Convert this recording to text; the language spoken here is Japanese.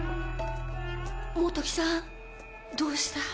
本木さん、どうした？